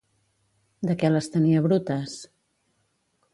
De què les tenia brutes?